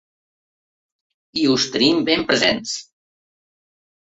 I us tenim ben presents.